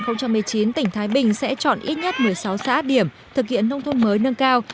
năm hai nghìn một mươi chín tỉnh thái bình sẽ chọn ít nhất một mươi sáu xã điểm thực hiện nông thôn mới nâng cao